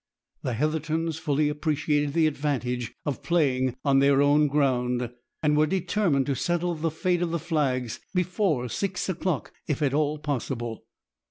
The Heathertons fully appreciated the advantage of playing oh their own ground, and were determined to settle the fate of the flags before six o'clock if at all possible.